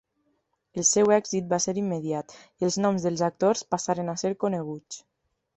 El seu èxit va ser immediat, i els noms dels actors passaren a ser coneguts.